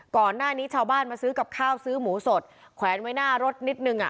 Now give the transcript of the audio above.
ก่อนหน้านี้ชาวบ้านมาซื้อกับข้าวซื้อหมูสดแขวนไว้หน้ารถนิดนึงอ่ะ